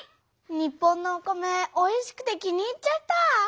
日本のお米おいしくて気に入っちゃった！